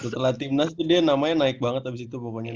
setelah timnas dia namanya naik banget abis itu pokoknya